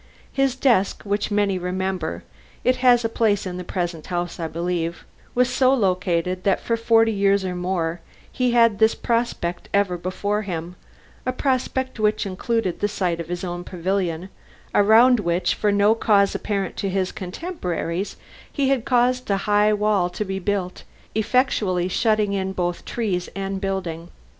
His desk, which many remember (it has a place in the present house, I believe), was so located that for forty years or more he had this prospect ever before him, a prospect which included the sight of his own pavilion, around which, for no cause apparent to his contemporaries, he had caused a high wall to be built, effectually shutting in both trees and building.